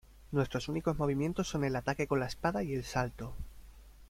Nuestros únicos movimientos son el ataque con la espada y el salto.